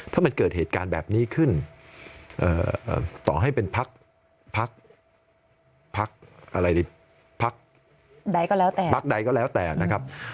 ถ้ามันเกิดเหตุการณ์แบบนี้ขึ้นต่อให้เป็นพักอะไรพักใดก็แล้วแต่พักใดก็แล้วแต่นะครับ